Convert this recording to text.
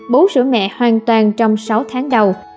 bú sữa mẹ hoàn toàn trong sáu tháng đầu